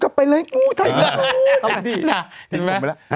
ก็ผมไปเลยฮึหมาดีอ่าฉริงไหม